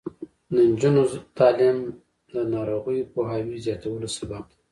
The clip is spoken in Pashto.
د نجونو تعلیم د ناروغیو پوهاوي زیاتولو سبب دی.